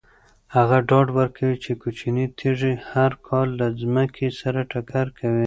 هغه ډاډ ورکوي چې کوچنۍ تیږې هر کال له ځمکې سره ټکر کوي.